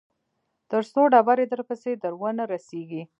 تر څو ډبرې درپسې در ونه رسېږي.